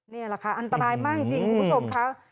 นี่แหละค่ะอันตรายมากจริงคุณผู้ชมค่ะ